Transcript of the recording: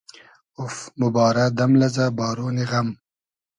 اوف! موبارۂ دئم لئزۂ بارۉنی غئم